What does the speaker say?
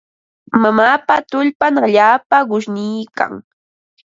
Mamaapa tullpan allaapa qushniikan.